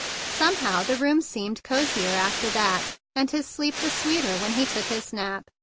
Somehow the room seemed cozier after that, and his sleep the sweeter when he took his nap.